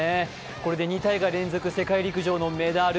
これで２大会連続でのメダル。